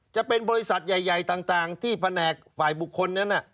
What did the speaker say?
จะเป็นบริษัทใหญ่ต่างที่แผนกฝ่ายบุคคลนั้น